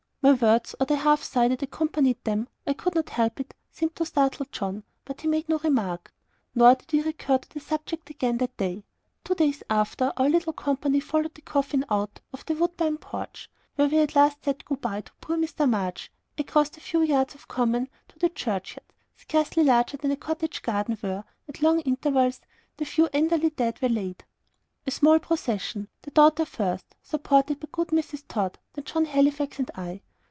'" My words, or the half sigh that accompanied them I could not help it seemed to startle John, but he made no remark. Nor did we recur to the subject again that day. Two days after, our little company followed the coffin out of the woodbine porch where we had last said good bye to poor Mr. March across the few yards of common, to the churchyard, scarcely larger than a cottage garden, where, at long intervals, the few Enderley dead were laid. A small procession the daughter first, supported by good Mrs. Tod, then John Halifax and I.